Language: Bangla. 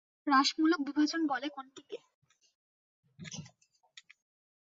হ্রাসমূলক বিভাজন বলে কোনটিকে?